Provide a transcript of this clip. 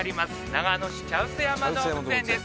長野市茶臼山動物園です